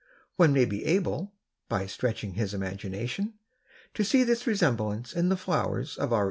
One may be able, by stretching his imagination, to see this resemblance in the flowers of our illustration.